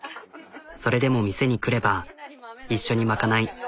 それでも店に来れば一緒に賄い。